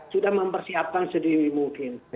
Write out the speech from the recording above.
sudah mempersiapkan sedemikian